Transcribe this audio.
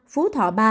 phú thọ ba